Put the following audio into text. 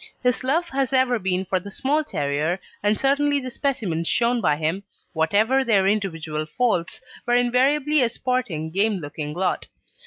His love has ever been for the small terrier, and certainly the specimens shown by him, whatever their individual faults, were invariably a sporting, game looking lot.